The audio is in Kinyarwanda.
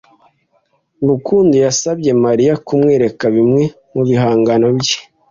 Rukundo yasabye Mariya kumwereka bimwe mu bihangano bye.